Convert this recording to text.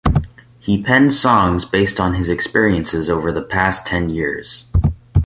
He penned songs based on his experiences over the past ten years.